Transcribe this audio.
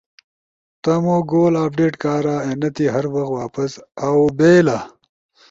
تمو گول ایڈیٹ کارا اینتی ہر وخ واپس او بھئیلا۔